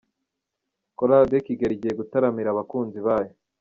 Chorale de Kigali igiye gutaramira abakunzi bayo.